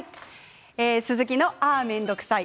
「鈴木のあーめんどくさい」